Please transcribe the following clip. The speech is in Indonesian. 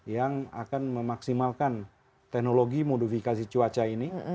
yang akan memaksimalkan teknologi modifikasi cuaca ini